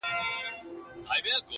دا څه سِر دی په لاسونو د انسان کي-